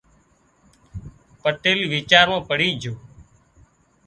پٽيل ويچار مان پڙي جھو